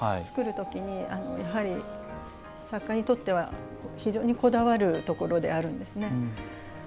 作るときにやはり作家にとっては非常にこだわるところであるんですね。